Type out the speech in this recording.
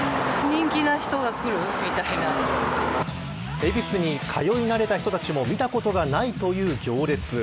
恵比寿に通い慣れた人たちも見たことはないという行列。